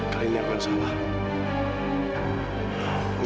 kali ini aku yang salah